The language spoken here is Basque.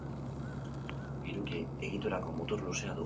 Hiruki egiturako mutur luzea du.